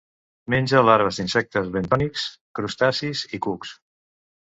Menja larves d'insectes bentònics, crustacis i cucs.